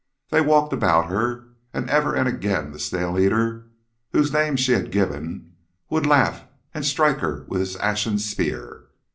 They walked about her, and ever and again the Snail eater, whose name she had given, would laugh and strike her with his ashen spear.